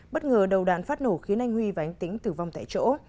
bất ngờ đầu đạn phát nổ khiến anh huy và anh tĩnh tử vong tại chỗ